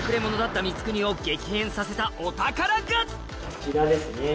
こちらですね。